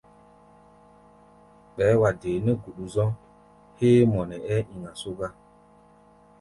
Ɓɛɛ́ wa dee nɛ́ guɗu-zɔ̧́ héé mɔ nɛ ɛ́ɛ́ iŋa só gá.